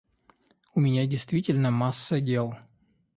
У меня действительно масса дел.